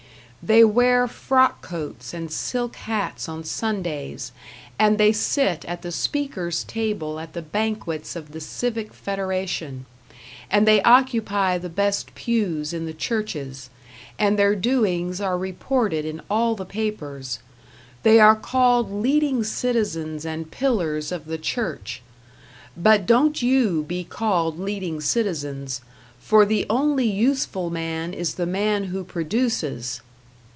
They wear frock coats and silk hats on Sundays, and they sit at the speakers' table at the banquets of the Civic Federation, and they occupy the best pews in the churches, and their doings are reported in all the papers; they are called leading citizens and pillars of the church. But don't you be called leading citizens, for the only useful man is the man who produces.